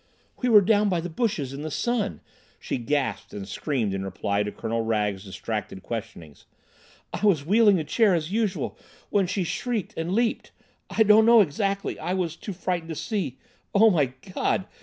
"We were down by the bushes in the sun,"—she gasped and screamed in reply to Colonel Wragge's distracted questionings,—"I was wheeling the chair as usual when she shrieked and leaped—I don't know exactly—I was too frightened to see—Oh, my God!